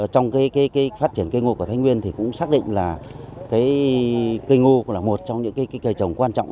trong phát triển cây ngô của thái nguyên thì cũng xác định là cây ngô là một trong những cây trồng quan trọng